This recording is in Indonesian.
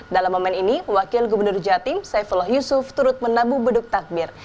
dalam momen ini wakil gubernur jatim saifullah yusuf turut menabuh beduk takbir